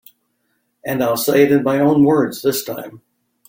And I'll say it in my own words this time.